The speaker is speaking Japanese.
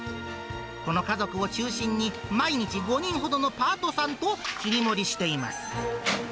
この家族を中心に、毎日５人ほどのパートさんと切り盛りしています。